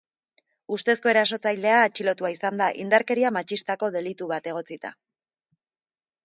Ustezko erasotzailea atxilotua izan da indarkeria matxistako delitu bat egotzita.